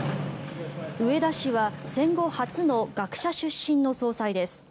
植田氏は戦後初の学者出身の総裁です。